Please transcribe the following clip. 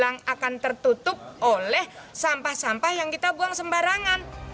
jangan lupa kita akan menjadikan sampah sampah yang kita buang sembarangan